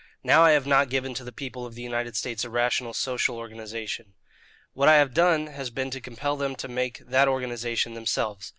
Now I have not given to the people of the United States a rational social organization. What I have done has been to compel them to make that organization themselves.